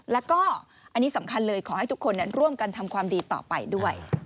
แล้วก็อันนี้สำคัญเลยขอให้ทุกคนร่วมกันทำความดีต่อไปด้วย